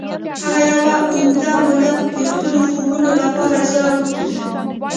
هغه یوه اوږده موده د خپلو خوبونو لپاره زیار وکیښ